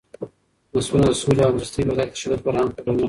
نسلونه د سولې او همزیستۍ پر ځای د تشدد فرهنګ خپلوي.